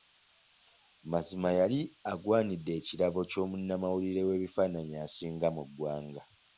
Mazima yali agwanidde ekirabo ky'omunnamawulire w'ebifaananyi asinga mu ggwanga.